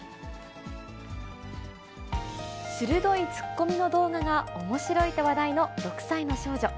鋭いツッコミの動画がおもしろいと話題の６歳の少女。